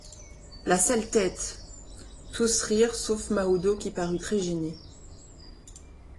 La sale tête!» Tous rirent, sauf Mahoudeau, qui parut très gêné.